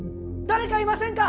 誰かいませんか？